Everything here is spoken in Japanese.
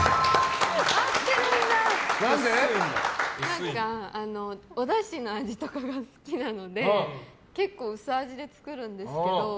何か、おだしの味とかが好きなので、結構薄味で作るんですけど。